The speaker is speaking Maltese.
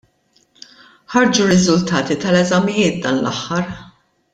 Ħarġu r-riżultati tal-eżamijiet dan l-aħħar.